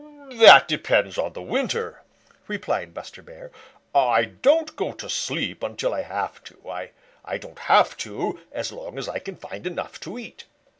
"That depends on the winter," replied Buster Bear. "I don't go to sleep until I have to. I don't have to as long as I can find enough to eat.